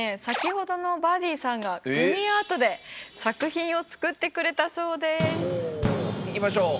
先ほどのバーディーさんがグミアートで作品を作ってくれたそうです。